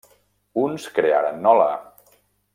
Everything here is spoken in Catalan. Uns crearen Nola!